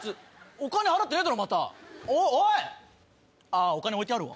あお金置いてあるわ。